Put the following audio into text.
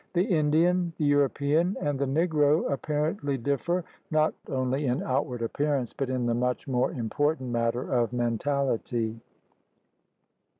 The Indian, the European, and the Negro apparently differ not only in outward appearance but in the much more important matter of mentality.